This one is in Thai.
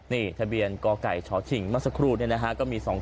นี่ทะเบียนกไก่ชชิ่งมสครูดเนี่ยนะฮะก็มี๒คัน